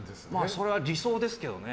それは理想ですけどね。